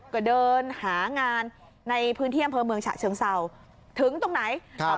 ก็เดินหางานในพื้นที่อำเภอเมืองฉะเชิงเศร้าถึงตรงไหนครับ